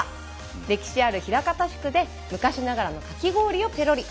歴史ある枚方宿で昔ながらのかき氷をペロリ。